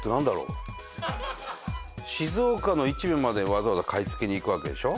静岡の市場までわざわざ買い付けに行くわけでしょ？